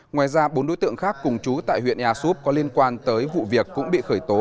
ngoài ra bốn đối tượng khác cùng chú tại huyện ea súp có liên quan tới vụ việc cũng bị khởi tố